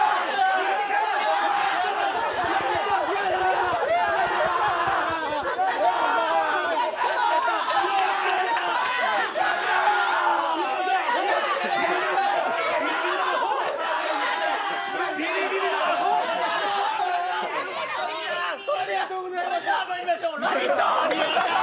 それではまいりましょう「ラヴィット！」